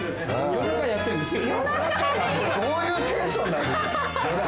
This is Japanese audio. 夜中にどういうテンションなんだ。